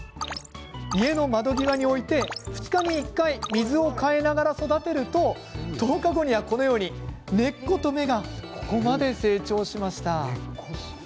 家の窓際に置いて、２日に１回水を替えながら育てると１０日後には根っこと芽がここまで成長しました。